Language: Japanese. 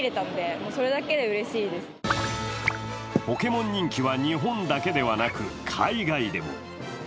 ポケモン人気は日本だけではなく、海外でも。